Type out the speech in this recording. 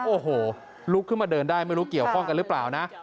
โอ้โหลุกขึ้นมาเดินได้ไม่รู้เกี่ยวข้องกันหรือเปล่านะ